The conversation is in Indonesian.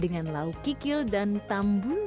dengan lauk kikil dan tambun